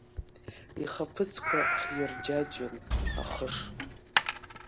Ихаԥыцқәа хирџьаџьон ахыш.